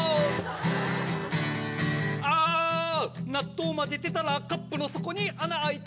あぁ納豆混ぜてたらカップの底に穴開いた